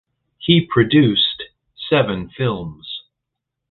He produced seven films.